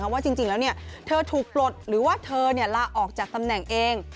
ว่าจริงแล้วเธอถูกปลดหรือว่าเธอลาออกจากตำแหน่งเอง